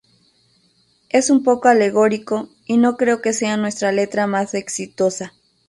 Es un poco alegórico, y no creo que sea nuestra letra más exitosa.